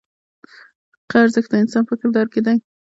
حقیقي ارزښت د انسان په کردار کې دی.